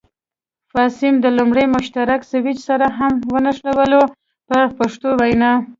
فاز سیم د لومړني مشترک سویچ سره هم ونښلوئ په پښتو وینا.